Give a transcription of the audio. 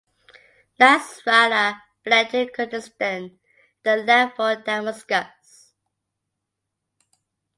Nasrallah fled to Kurdistan and then left for Damascus.